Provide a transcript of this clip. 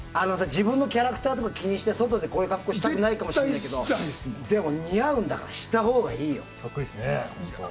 自分のキャラクターとか気にして外でこういう格好をしたくないかもだけどでも、似合うんだからしたほうがいいよ。